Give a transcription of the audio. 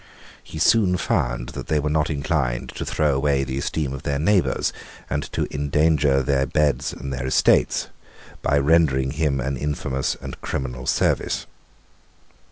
He soon found that they were not inclined to throw away the esteem of their neighbours, and to endanger their beads and their estates, by rendering him an infamous and criminal service.